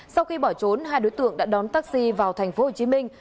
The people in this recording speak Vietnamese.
sau khi bỏ trốn hai đối tượng đã đón taxi vào thành phố hồ chí minh